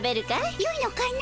よいのかの？